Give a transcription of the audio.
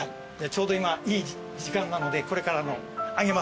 ちょうど今いい時間なのでこれから上げますんで。